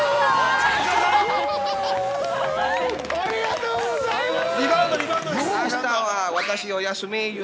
ありがとうございます。